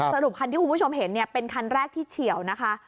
สรุปคันที่คุณผู้ชมเห็นเนี่ยเป็นคันแรกที่เฉียวนะคะ